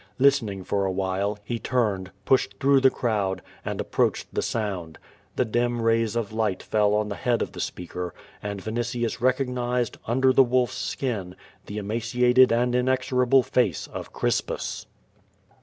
Listening for a while, he turned, pushed through the crowd, and approached the sound. The dim rays of light fell on the head of the speaker, and Vinitius recognized, under the wolfs skin, the emaciated and inexorable face of Crispus.